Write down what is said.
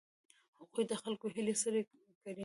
هغوی د خلکو هیلې سړې کړې.